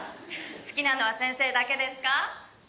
好きなのは先生だけですか？